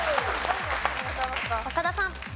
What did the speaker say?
長田さん。